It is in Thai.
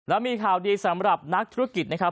แล้วมีข่าวดีสำหรับนักธุรกิจนะครับ